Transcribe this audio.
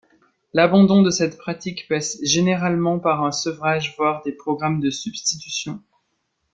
L'abandon de cette pratique passe généralement par un sevrage voire des programmes de substitution.